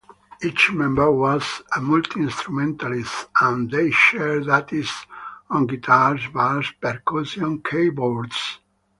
Each member was a multi-instrumentalist and they shared duties on guitars, bass, percussion, keyboards.